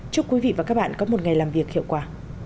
chúc quý vị và các bạn có một ngày làm việc hiệu quả